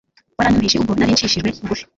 Waranyumvishe ubwo narinshishijwe bugufi